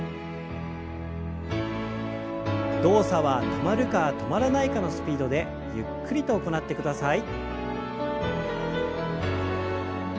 動作は止まるか止まらないかのスピードでゆっくりと行ってください。